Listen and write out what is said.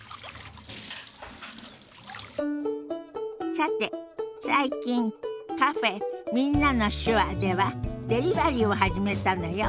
さて最近カフェ「みんなの手話」ではデリバリーを始めたのよ。